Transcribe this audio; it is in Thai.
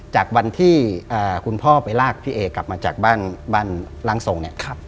จากวันที่คุณพ่อไปลากพี่เอกลับมาจากบ้านร่างทรงเนี่ย